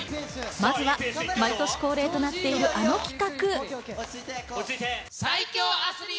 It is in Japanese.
まずは毎年恒例となっているあの企画。